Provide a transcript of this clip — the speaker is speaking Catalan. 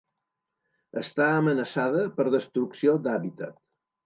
Està amenaçada per destrucció d'hàbitat.